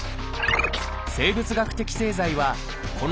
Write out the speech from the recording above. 生物学的製剤はこの